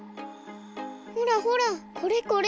ほらほらこれこれ。